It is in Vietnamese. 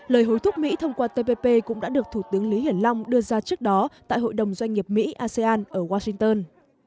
lời hối thúc mỹ thông qua tpp cũng đã được thủ tướng lý hiển long đưa ra trước đó tại hội đồng doanh nghiệp mỹ asean ở washington